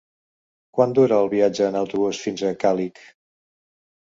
Quant dura el viatge en autobús fins a Càlig?